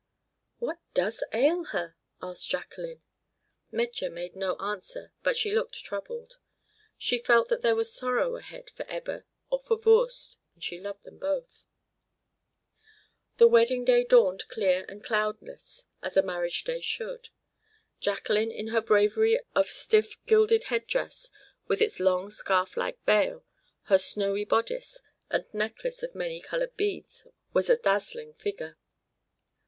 "What does ail her?" asked Jacqueline. Metje made no answer, but she looked troubled. She felt that there was sorrow ahead for Ebba or for Voorst, and she loved them both. The wedding day dawned clear and cloudless, as a marriage day should. Jacqueline in her bravery of stiff gilded head dress with its long scarf like veil, her snowy bodice, and necklace of many colored beads, was a dazzling figure.